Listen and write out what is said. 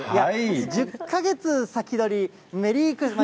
１０か月先取りメリークリスマス。